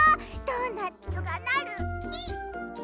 ドーナツがなるき！